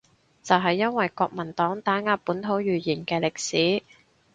就係因為國民黨打壓本土語言嘅歷史